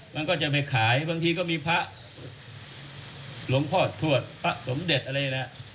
มันก็จะไปขายบางทีก็มีพระหลวงพ่อทวดพระสมเด็จอะไรนะ